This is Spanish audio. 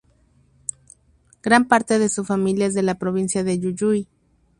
Gran parte de su familia es de la provincia de Jujuy.